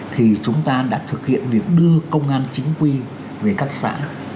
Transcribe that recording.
thì chúng ta đã thực hiện việc đưa công an chính quy về các xã